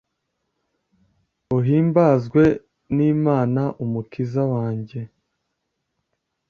uhimbajwe n'imana umukiza wanjye